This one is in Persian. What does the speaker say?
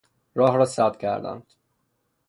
راه را سد کردند.